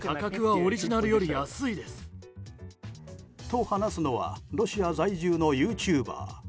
と話すのはロシア在住のユーチューバー。